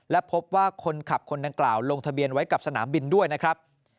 และพบว่าคนขับคนดังกล่าวลงทะเบียนไว้กับสนามบินด้วยนะครับ